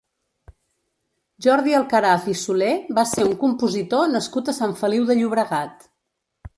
Jordi Alcaraz i Solé va ser un compositor nascut a Sant Feliu de Llobregat.